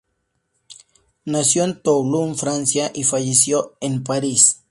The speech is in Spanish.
Nació en Toulon, Francia, y falleció en París.